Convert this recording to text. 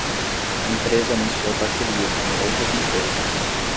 A empresa anunciou parcerias com outras empresas.